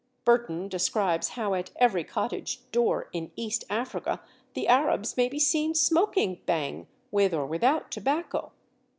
Burton describes how at every cottage door in East Africa the Arabs may be seen smoking bhang with or without tobacco.